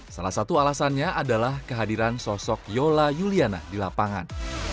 salah satu alasannya adalah kehadiran sosok yola juliana di lapangan